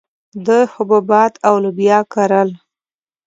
دوی حبوبات او لوبیا کرل